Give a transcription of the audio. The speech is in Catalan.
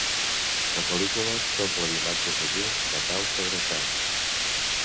La pel·lícula s'omple d'imatges de llum que cau sobre el camp.